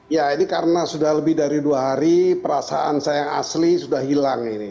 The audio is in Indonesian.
ya ini karena sudah lebih dari dua hari perasaan saya yang asli sudah hilang ini